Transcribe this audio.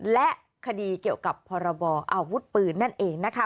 และคดีเกี่ยวกับพรบออาวุธปืนนั่นเองนะคะ